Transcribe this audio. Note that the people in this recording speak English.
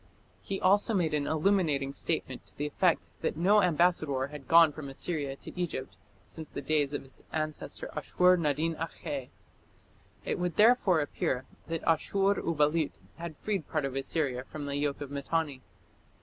He also made an illuminating statement to the effect that no ambassador had gone from Assyria to Egypt since the days of his ancestor Ashur nadin akhe. It would therefore appear that Ashur uballit had freed part of Assyria from the yoke of Mitanni.